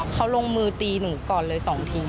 เขาลงมือตีหนูก่อนเลย๒ที